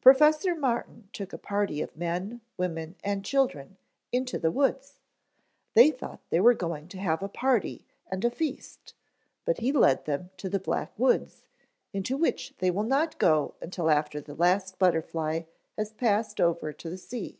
"Professor Martin took a party of men, women and children into the woods. They thought they were going to have a party and a feast but he lead them to the Black Woods, into which they will not go until after the last butterfly has passed over to the sea."